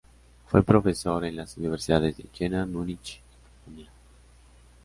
Fue profesor en las universidades de Jena, Múnich y Colonia.